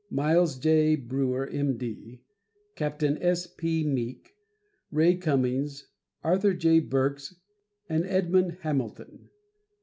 Miles J. Breuer, M. D., Captain S. P. Meek, Ray Cummings, Arthur J. Berks and Edmond Hamilton.